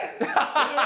ハハハハ！